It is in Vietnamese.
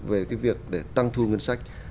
về cái việc để tăng thu ngân sách